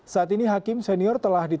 saat ini hakim senior telah ditetapkan